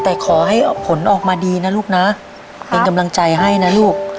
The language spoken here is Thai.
แต่ขอให้ผลออกมาดีนะลูกนะเป็นกำลังใจให้นะลูก